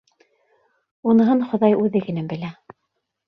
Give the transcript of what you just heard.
— Уныһын хоҙай үҙе генә белә.